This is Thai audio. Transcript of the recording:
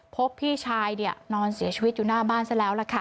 พี่ชายนอนเสียชีวิตอยู่หน้าบ้านซะแล้วล่ะค่ะ